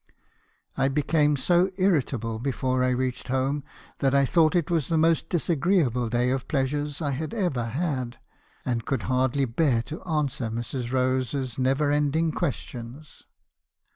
"I became so irritable before I reached home, that I thought it was the most disagreeable day of pleasure I had ever had, and could hardly bear to answer Mrs. Rose's never ending questions.